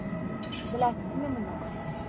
Bilasizmi nima?